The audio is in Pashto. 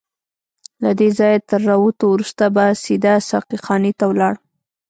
له دې ځایه تر راوتو وروسته به سیده ساقي خانې ته ولاړم.